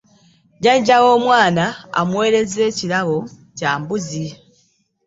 Jajja w'omwana amuweerezza ekirabo kya mbuzi.